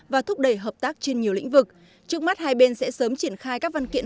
và thúc đẩy hợp tác trên nhiều lĩnh vực trước mắt hai bên sẽ sớm triển khai các văn kiện